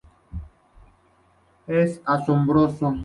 Es asombroso"".